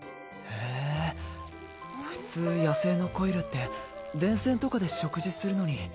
へぇ普通野生のコイルって電線とかで食事するのに。